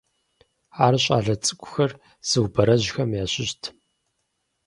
Ар щӀалэ цӀыкӀухэр зыубэрэжьхэм ящыщт.